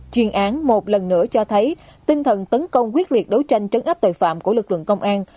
chuyên án một lần nữa cho thấy tinh thần tấn công quyết liệt đấu tranh trấn áp tội phạm của lực lượng công an